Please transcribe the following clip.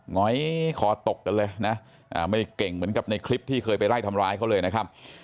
ง้อยคอตกกันเลยนะไม่เก่งเหมือนกับในคลิปที่เคยไปไล่ทำร้ายเขาเลยนะครับ